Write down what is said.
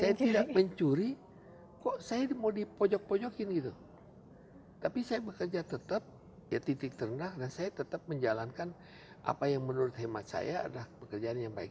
saya tidak mencuri kok saya mau dipojok pojokin gitu tapi saya bekerja tetap ya titik terendah dan saya tetap menjalankan apa yang menurut hemat saya adalah pekerjaan yang baik